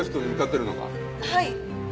はい。